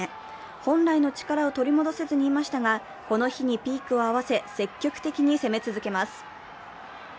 本来の力を取り戻せずにいましたが、この日にピークを合わせ積極的に攻め続けます。